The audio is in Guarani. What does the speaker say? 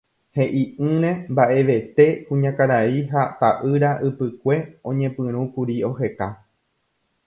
He'i'ỹre mba'evete kuñakarai ha ta'ýra ypykue oñepyrũkuri oheka.